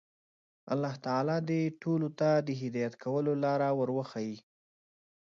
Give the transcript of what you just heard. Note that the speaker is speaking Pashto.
الله تعالی دې ټولو ته د هدایت کولو لاره ور وښيي.